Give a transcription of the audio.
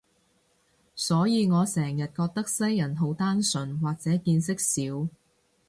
所以我成日覺得西人好單純，或者見識少